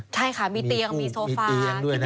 ใช่ค่ะมีเตียงมีโซฟามีเตียงด้วยนะ